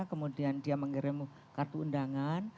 kemudian dia mengirim kartu undangan